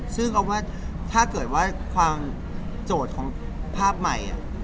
ซึ่งก็ว่าถ้าเกิดว่าความโจทย์ของภาพใหม่